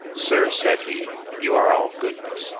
Sir, said he, you are all goodness.